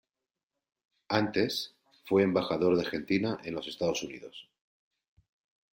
Antes, fue embajador de Argentina en los Estados Unidos.